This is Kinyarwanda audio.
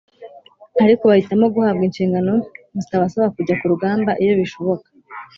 ariko bahitamo guhabwa inshingano zitabasaba kujya ku rugamba iyo bishoboka.